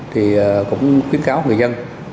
thì cũng khuyến cáo người dân